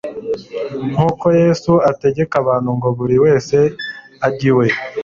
Nuko Yesu ategeka abantu ngo buri wese ajye iwe;